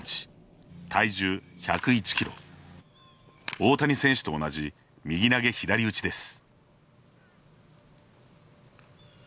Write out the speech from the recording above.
大谷選手と同じ右投げ左打ちです。